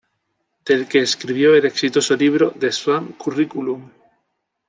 Del que escribió el exitoso libro "The Swan Curriculum".